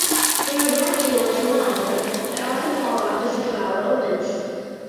There are bracteoles long but that often fall off as the flower opens.